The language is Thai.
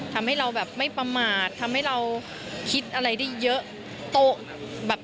ทำให้เราไม่ประมาททำให้เราคิดอะไรได้เยอะ